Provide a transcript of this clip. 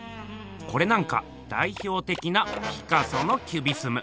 コレなんか代表的なピカソのキュビスム。